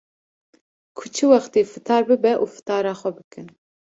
ku çi wextê fitar bibe û fitara xwe bikin.